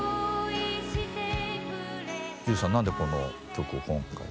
ＪＵＪＵさん何でこの曲を今回。